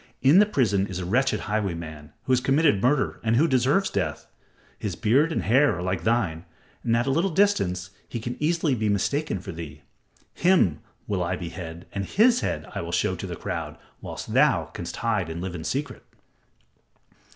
In the prison is a wretched highwayman who has committed murder and who deserves death. His beard and hair are like thine, and at a little distance he can easily be mistaken for thee. Him will I behead and his head will I show to the crowd, whilst thou canst hide and live in secret."